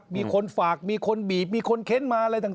มีคนฝากมีคนบีบมีคนเค้นมาอะไรต่าง